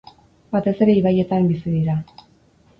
Batez ere ibaietan bizi dira.